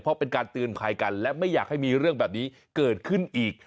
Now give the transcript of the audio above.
เพราะเป็นการเตือนภัยกันและไม่อยากให้มีเรื่องแบบนี้เกิดขึ้นอีก